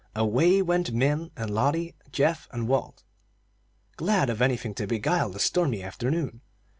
Away went Min and Lotty, Geoff and Walt, glad of anything to beguile the stormy afternoon.